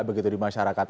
begitu di masyarakat